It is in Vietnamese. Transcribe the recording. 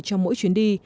trong mỗi chuyến đi